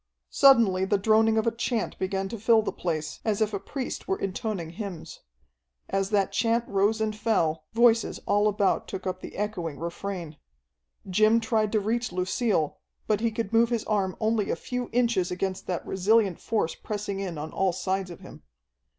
Suddenly the droning of a chant began to fill the place, as if a priest were intoning hymns. As that chant rose and fell, voices all about took up the echoing refrain. Jim tried to reach Lucille, but he could move his arm only a few inches against that resilient force pressing in on all sides of him.